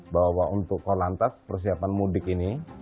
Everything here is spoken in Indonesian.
bahwa untuk korlantas persiapan mudik ini